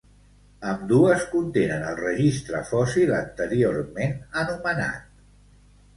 Ambdues contenen el registre fòssil anteriorment anomenat.